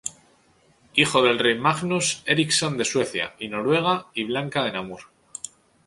Hijo del rey Magnus Eriksson de Suecia y Noruega y Blanca de Namur.